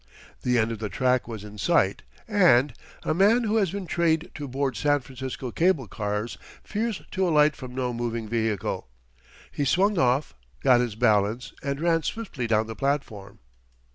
The end of the track was in sight and a man who has been trained to board San Francisco cable cars fears to alight from no moving vehicle. He swung off, got his balance, and ran swiftly down the platform.